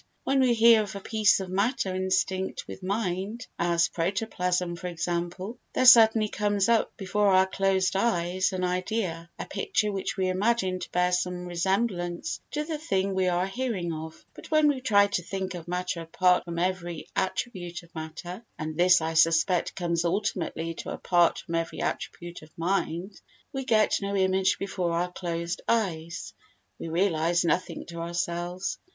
When we hear of a piece of matter instinct with mind, as protoplasm, for example, there certainly comes up before our closed eyes an idea, a picture which we imagine to bear some resemblance to the thing we are hearing of. But when we try to think of matter apart from every attribute of matter (and this I suspect comes ultimately to "apart from every attribute of mind") we get no image before our closed eyes—we realise nothing to ourselves.